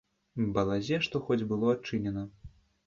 Балазе што хоць было адчынена.